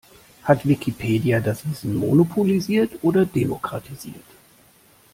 Hat Wikipedia das Wissen monopolisiert oder demokratisiert?